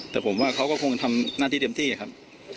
แต่ผมว่าเขาก็คงทำหน้าที่เต็มที่ครับ